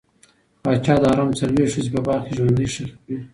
پاچا د حرم څلوېښت ښځې په باغ کې ژوندۍ ښخې کړې.